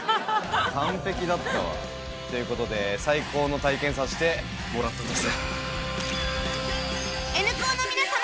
完璧だったわ。という事で最高の体験させてもらったぜ。